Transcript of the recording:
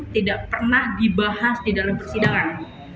tidak pernah dibahas di dalam persidangan